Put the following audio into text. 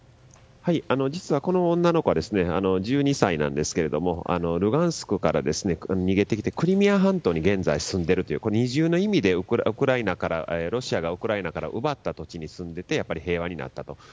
実は、この女の子は１２歳なんですけれどもルガンスクから逃げてきてクリミア半島に現在、住んでいるという二重の意味でロシアがウクライナから奪った土地に住んでいて平和になったと。